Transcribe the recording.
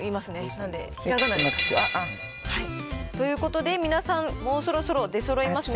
なんでひらがなに。ということで、皆さん、もうそろそろ出そろいますね。